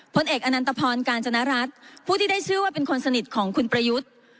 พลเอกอนันตพรกาญจนรัฐผู้ที่ได้ชื่อว่าเป็นคนสนิทของคุณประยุทธ์